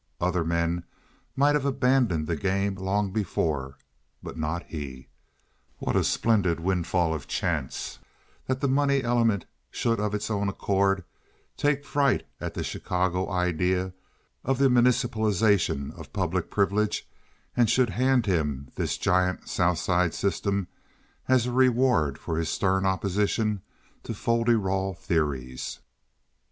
Other men might have abandoned the game long before, but not he. What a splendid windfall of chance that the money element should of its own accord take fright at the Chicago idea of the municipalization of public privilege and should hand him this giant South Side system as a reward for his stern opposition to fol de rol theories.